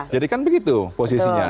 jadi kan begitu posisinya